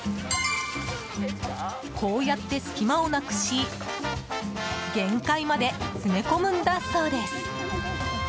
こうやって、隙間をなくし限界まで詰め込むんだそうです。